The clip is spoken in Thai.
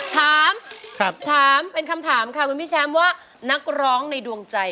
ถามคือถามเป็นคำถามค่ะลูกช้างว่านักร้องในดวงใจ